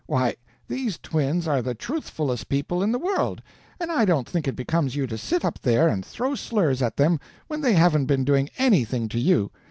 Why, these twins are the truthfulest people in the world; and I don't think it becomes you to sit up there and throw slurs at them when they haven't been doing anything to you.